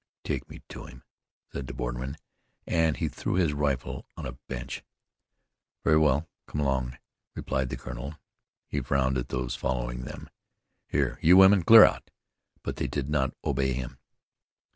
"Take me to him," said the borderman, and he threw his rifle on a bench. "Very well. Come along," replied the colonel. He frowned at those following them. "Here, you women, clear out!" But they did not obey him.